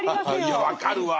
いや分かるわ。